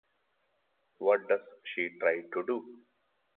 What does she try to do?